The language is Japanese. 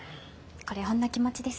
これほんの気持ちです。